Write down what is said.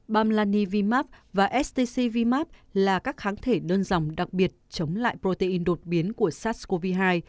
bamlanivimap và stcvmap là các kháng thể đơn dòng đặc biệt chống lại protein đột biến của sars cov hai